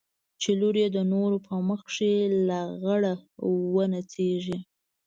چې لور يې د نورو په مخ کښې لغړه ونڅېږي.